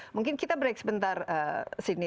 mungkin kita break sebentar sini